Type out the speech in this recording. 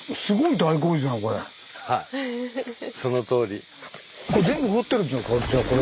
はいそのとおり。